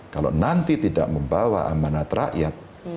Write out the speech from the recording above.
kalau nanti tidak membawa amanat rakyat